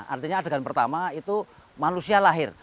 artinya adegan pertama itu manusia lahir